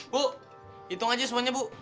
bu hitung aja semuanya bu